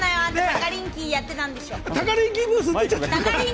タカリンキーやってたんでしょ！